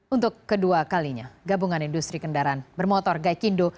untuk kedua kalinya gabungan industri kendaraan bermotor gaikindo